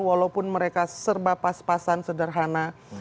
walaupun mereka serba pas pasan sederhana